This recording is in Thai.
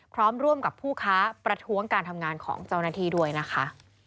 พร้อมร่วมกับผู้ค้าประท้วงการทำงานของเจ้าหน้าที่ด้วยนะคะ